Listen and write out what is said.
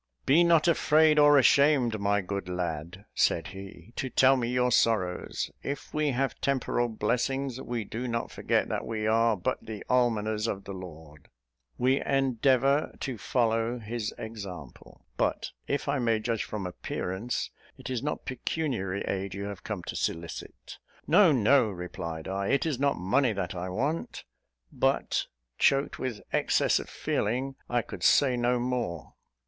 "Be not afraid or ashamed, my good lad," said he, "to tell me your sorrows. If we have temporal blessings, we do not forget that we are but the almoners of the Lord: we endeavour to follow his example; but, if I may judge from appearance, it is not pecuniary aid you have come to solicit." "No, no," replied I; "it is not money that I want:" but, choked with excess of feeling, I could say no more.